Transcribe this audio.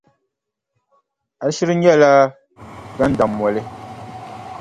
A shiri nyɛla gandammoli.